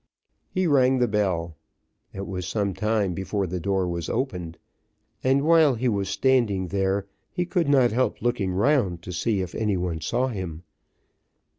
He rang the bell; it was some time before the door was opened, and while he was standing there he could not help looking round to see if any one saw him.